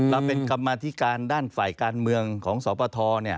เราเป็นกรรมาธิการด้านฝ่ายการเมืองของสปท